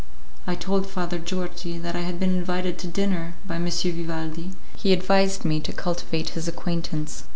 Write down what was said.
I told Father Georgi that I had been invited to dinner by M. Vivaldi, and he advised me to cultivate his acquaintance.